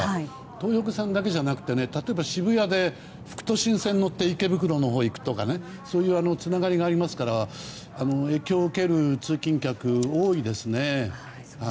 東横線だけじゃなくて例えば渋谷で副都心線に乗って池袋のほうに行くとかそういうつながりがあるので影響を受ける通勤客が多いですね。